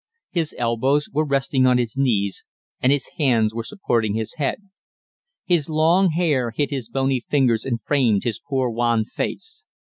His elbows were resting on his knees, and his hands were supporting his head. His long hair hid his bony fingers and framed his poor, wan face.